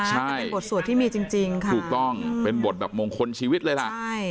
มันเป็นบทสวดที่มีจริงค่ะถูกต้องเป็นบทแบบมงคลชีวิตเลยล่ะใช่